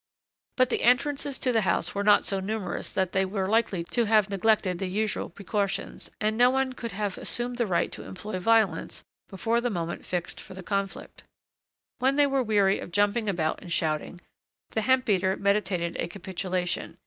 But the entrances to the house were not so numerous that they were likely to have neglected the usual precautions, and no one would have assumed the right to employ violence before the moment fixed for the conflict. When they were weary of jumping about and shouting, the hemp beater meditated a capitulation.